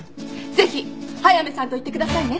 ぜひ速見さんと行ってくださいね。